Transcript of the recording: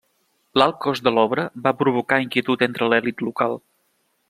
L'alt cost de l'obra va provocar inquietud entre l'elit local.